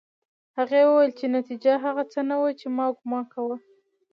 هغې وویل چې نتيجه هغه څه نه وه چې ما ګومان کاوه